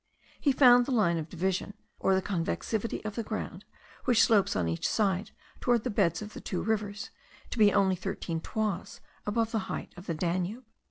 He found the line of division, or the convexity of the ground, which slopes on each side towards the beds of the two rivers, to be only thirteen toises above the height of the Danube.